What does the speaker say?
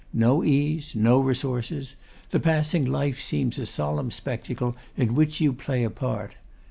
No ease, no resources; the passing life seems a solemn spectacle in which you play a part.